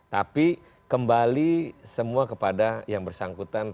tapi kembali semua kepada yang bersangkutan